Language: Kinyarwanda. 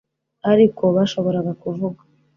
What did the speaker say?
ariko bashoboraga kuvuga